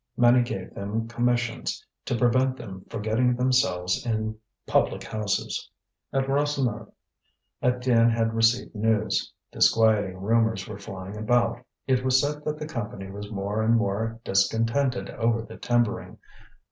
Many gave them commissions, to prevent them forgetting themselves in public houses. At Rasseneur's Étienne had received news. Disquieting rumours were flying about; it was said that the Company were more and more discontented over the timbering.